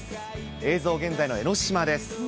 映像、現在の江の島です。